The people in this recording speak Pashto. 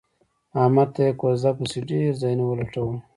احمد ته یې کوزده پسې ډېر ځایونه ولټول